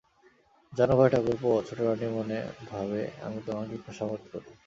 জান ভাই ঠাকুরপো, ছোটোরানী মনে ভাবে আমি তোমাকে খোশামোদ করি।